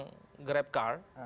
tempang grab car